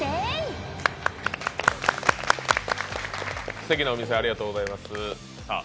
すてきなお店ありがとうございます。